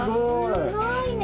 すごいね。